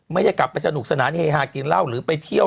ไม่ได้กลับไปสนุกสนานเฮฮากินเหล้าหรือไปเที่ยว